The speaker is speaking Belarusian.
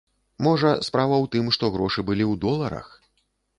Можа, справа ў тым, што грошы былі ў доларах?